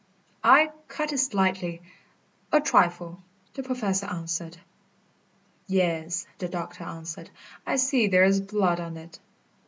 "I cut it slightly a trifle," the Professor answered. "Yes," the doctor answered, "I see there is blood on it."